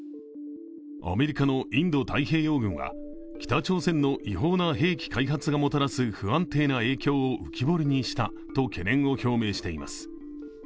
アメリカのインド太平洋軍は北朝鮮の違法な兵器開発がもたらす不安定な影響を浮き彫りにしたと懸念を表明しています。